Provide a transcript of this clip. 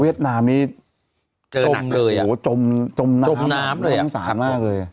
เวียดนามนี้เจอหนักโหจมน้ำจมน้ำเลยอ่ะ